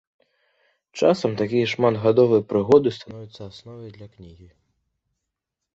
Часам такія шматгадовыя прыгоды становяцца асновай для кнігі.